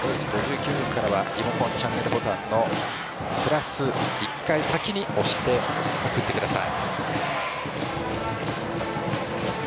１２時５９分からはリモコンチャンネルボタンのプラス１回先に押して送ってください。